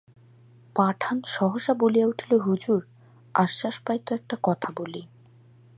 পাঠান সহসা বলিয়া উঠিল, হুজুর, আশ্বাস পাই তো একটা কথা বলি।